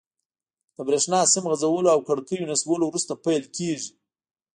له بریښنا سیم غځولو او کړکیو نصبولو وروسته پیل کیږي.